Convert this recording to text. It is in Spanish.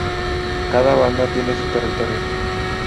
Cada banda tiene su territorio.